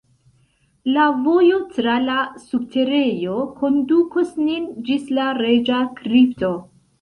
La vojo tra la subterejo kondukos nin ĝis la reĝa kripto.